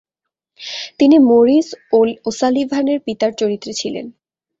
তিনি মরিন ওসালিভানের পিতার চরিত্রে ছিলেন।